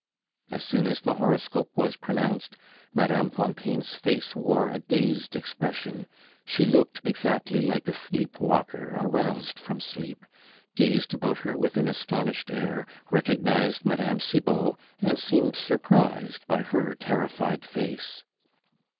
As soon as the horoscope was pronounced, Mme. Fontaine's face wore a dazed expression; she looked exactly like a sleep walker aroused from sleep, gazed about her with an astonished air, recognized Mme. Cibot, and seemed surprised by her terrified face.